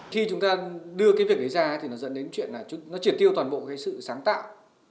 khi chúng ta đưa cái việc ấy ra thì nó dẫn đến chuyện là nó triệt tiêu toàn bộ cái sự sáng tạo